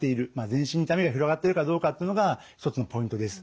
全身に痛みが広がってるかどうかっていうのが一つのポイントです。